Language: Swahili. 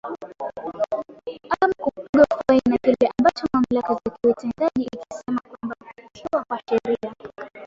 ama kupigwa faini na kile ambacho mamlaka za kiutendaji ikisema kwamba kukiukwa kwa sharia